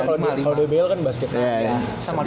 kalau dbl kan basketball